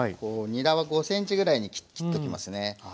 にらは５ｃｍぐらいに切っときますね。